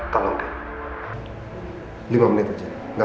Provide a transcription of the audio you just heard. sampai kamu biarkan elsa membawa rena ke pantai asuhan